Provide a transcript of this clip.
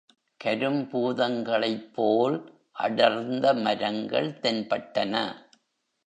கரும்பூதங்களைப்போல் அடர்ந்த மரங்கள் தென்பட்டன.